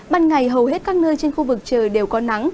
ban ngày hầu hết các nơi trên khu vực trời đều có nắng